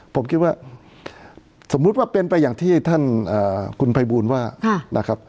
ผมคิดว่าสมมุติว่าเป็นไปอย่างที่ท่านคุณภัยบูลว่านะครับ